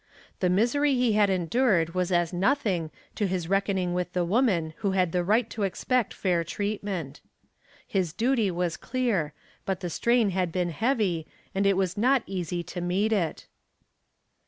The misery he had endured was as nothing to his reckoning with the woman who had the right to expect fair treatment. His duty was clear, but the strain had been heavy and it was not easy to meet it.